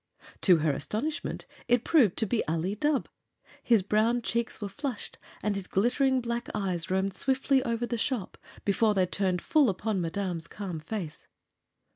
To her astonishment, it proved to be Ali Dubh. His brown cheeks were flushed, and his glittering black eyes roamed swiftly over the shop before they turned full upon the Madame's calm face.